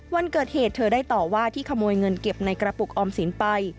วันเกิดเหตุเธอได้ต่อว่าที่ขโมยเงินเก็บในกระปุกออมสินไป